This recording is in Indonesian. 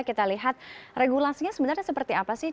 kita lihat regulasinya sebenarnya seperti apa sih